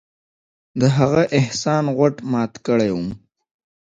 د هغه احسان غوټ مات کړى وم.